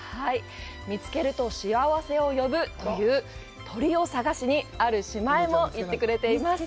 見つけると幸せを呼ぶという鳥を探しに、ある島へも行ってくれています。